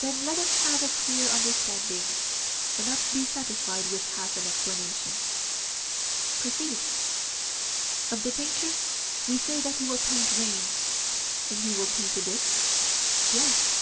Then let us have a clear understanding, and not be satisfied with half an explanation. Proceed. Of the painter we say that he will paint reins, and he will paint a bit? Yes.